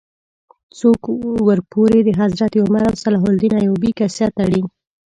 څوک ورپورې د حضرت عمر او صلاح الدین ایوبي کیسه تړي.